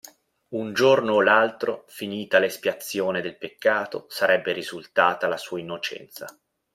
Un giorno o l'altro, finita l'espiazione del peccato, sarebbe risultata la sua innocenza.